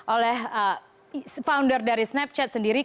oleh founder dari snapchat sendiri